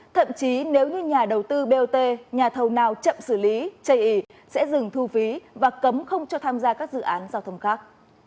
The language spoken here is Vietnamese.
thậm chí nếu như nhà đầu tư bot nhà thầu nào chậm xử lý chây ý sẽ dừng thu phí và cấm không cho tham gia các dự án giao thông khác